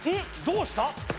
どうした？